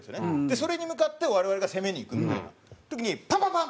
それに向かって我々が攻めに行くみたいな時にパンパンパン！